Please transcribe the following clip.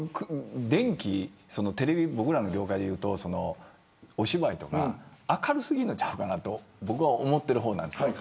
僕らの業界でいうとお芝居とか明るすぎるのちゃうかなと思ってる方なんですよ。